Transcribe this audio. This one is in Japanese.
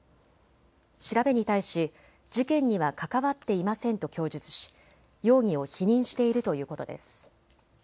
調べに対し、事件には関わっていませんと供述し容疑を否認しているということです。